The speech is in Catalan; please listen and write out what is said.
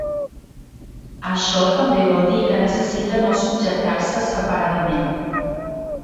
Això també vol dir que necessita no subjectar-se separadament.